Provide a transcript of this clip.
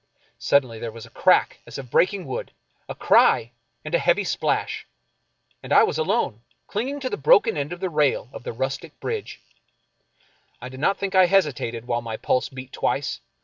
Suddenly there was a crack as of breaking wood, a cry and a heavy splash, and I was alone, clinging to the broken end of the rail of the rustic bridge, I do not think I hesitated while my pulse beat twice.